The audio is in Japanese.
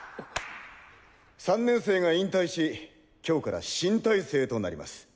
３年生が引退し今日から新体制となります。